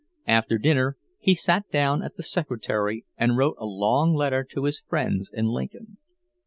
After dinner he sat down at the secretary and wrote a long letter to his friends in Lincoln.